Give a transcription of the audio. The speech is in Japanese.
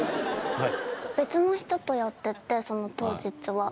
はい。